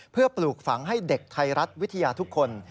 เพื่อปลูกฝังให้เด็กไทยรัฐวิทยาทุกคน